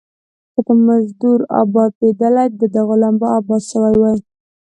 که په مزدور ابآتيدلاى ، ده غلامان به ابات سوي واى.